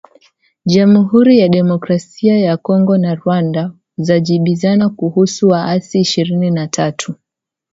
Jamhuri ya Kidemokrasia ya Kongo na Rwanda zajibizana kuhusu waasi ishirini na tatu